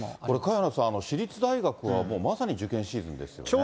これ、萱野さん、私立大学はもうまさに受験シーズンですよね。